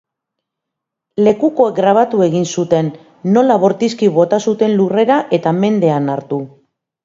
Lekukoek grabatu egin zuten, nola bortizki bota zuten lurrera eta mendean hartu.